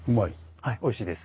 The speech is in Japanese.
はいおいしいです。